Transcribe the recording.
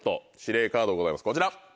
こちら。